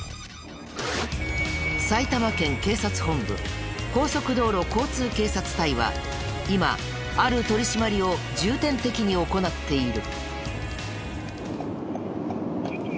埼玉県警察本部高速道路交通警察隊は今ある取り締まりを重点的に行っている。